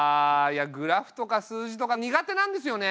グラフとか数字とか苦手なんですよね。